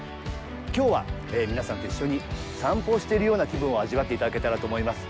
きょうは、皆さんと一緒に散歩しているような気分を味わっていただけたらと思います。